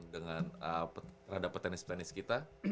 dengan rada petenis petenis kita